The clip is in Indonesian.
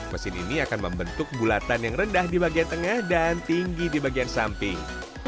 mesin ini akan membentuk bulatan yang rendah di bagian tengah dan tinggi di bagian samping